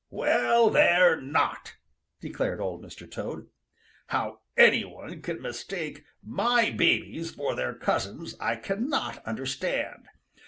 "Well, they're not," declared Old Mr. Toad. "How any one can mistake my babies for their cousins I cannot understand.